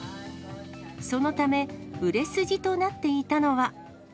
そのため、売れ筋となっていたのは。